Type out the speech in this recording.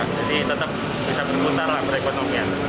jadi tetap bisa berputar lah perekonomian